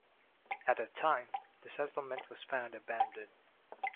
At that time, the settlement was found abandoned.